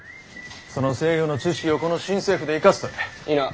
その西洋の知識をこの新政府で生かすとええ。